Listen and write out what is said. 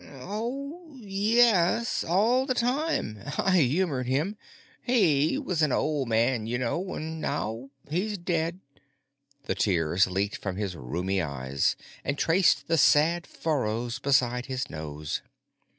"Oh, yes. All the time. I humored him. He was an old man, you know. And now he's dead." The tears leaked from his rheumy eyes and traced the sad furrows beside his nose.